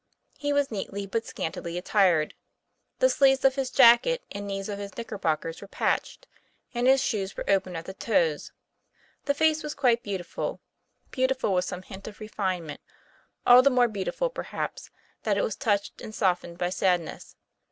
He was neatly but scantily attired. The sleeves of his jacket and knees of his knicker bockers were patched, and his shoes were open at the toes. The face was quite beautiful, beautiful with some hint of refinement, all the more beautiful, perhaps, that it was touched and softened by sad ness.